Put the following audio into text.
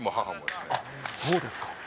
そうですか。